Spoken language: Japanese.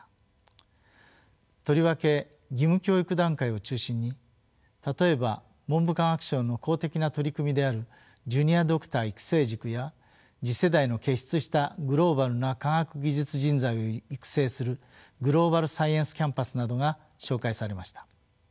とりわけ義務教育段階を中心に例えば文部科学省の公的な取り組みであるジュニアドクター育成塾や次世代の傑出したグローバルな科学技術人材を育成するグローバルサイエンスキャンパスなどが紹介されました。